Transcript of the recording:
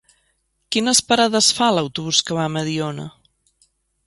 Quines parades fa l'autobús que va a Mediona?